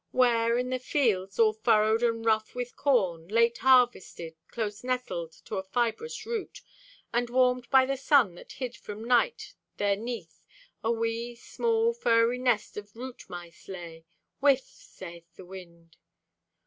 Where, in the fields all furrowed and rough with corn, Late harvested, close nestled to a fibrous root, And warmed by the sun that hid from night there neath, A wee, small, furry nest of root mice lay. Whiff, sayeth the wind.